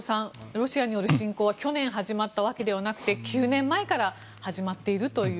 ロシアによる侵攻は去年始まったわけではなくて９年前から始まっているという。